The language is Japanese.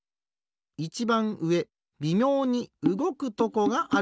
いちばんうえびみょうにうごくとこがある。